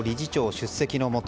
出席のもと